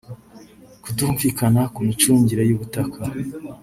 kutumvikana ku micungire y’ubutaka